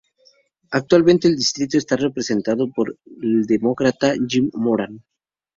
Actualmente el distrito está representado por el Demócrata Jim Moran.